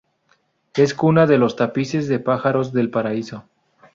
Es cuna de los tapices de Pájaros del Paraíso.